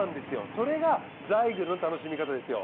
それがザイグルの楽しみ方ですよ。